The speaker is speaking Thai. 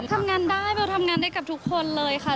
ทำงานได้เบลทำงานได้กับทุกคนเลยค่ะ